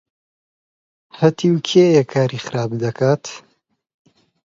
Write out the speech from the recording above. هەتیو کێیە کاری خراپ دەکا؟